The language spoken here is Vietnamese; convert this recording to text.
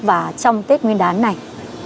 và trong tết nguyên đán này